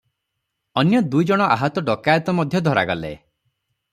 ଅନ୍ୟ ଦୁଇ ଜଣ ଆହତ ଡକାଏତ ମଧ୍ୟ ଧରାଗଲେ ।